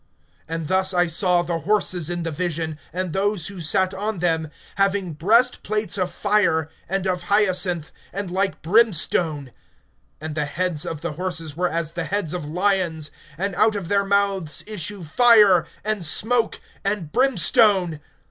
(17)And thus I saw the horses in the vision, and those who sat on them, having breastplates of fire, and of hyacinth, and like brimstone; and the heads of the horses were as the heads of lions, and out of their mouths issue fire, and smoke, and brimstone.